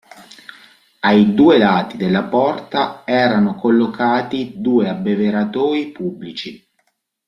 Ai due lati della porta erano collocati due abbeveratoi pubblici.